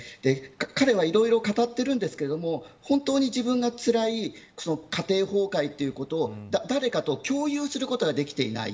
彼はいろいろ語っているんですが本当に自分がつらい家庭崩壊ということを誰かと共有することができていない。